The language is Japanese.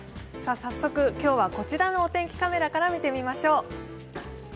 早速、今日はこちらのお天気カメラから見てみましょう。